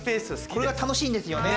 これが楽しいんですよね